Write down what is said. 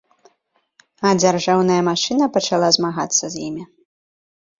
А дзяржаўная машына пачала змагацца з імі.